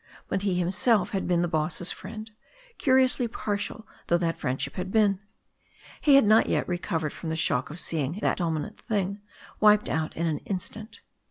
But he himself had been the boss's friend, curiously partial though that friendship had been. He had not yet recovered from the shock of seeing that dominant thing wiped out in an instant.